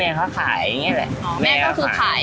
แม่เค้าขายแบบนี้แหละ